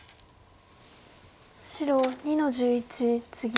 白２の十一ツギ。